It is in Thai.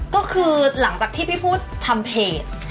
ก็คือหลังจากที่พี่พูดทำเพจ